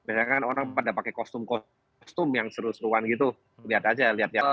biasanya kan orang pada pakai kostum kostum yang seru seruan gitu lihat aja lihat lihat